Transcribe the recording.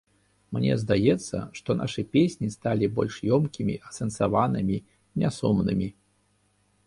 Мне здаецца, што нашы песні сталі больш ёмкімі, асэнсаванымі, нясумнымі.